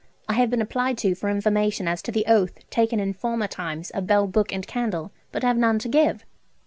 I have been applied to for information as to the oath taken in former times of Bell, Book, and Candle, but have none to give.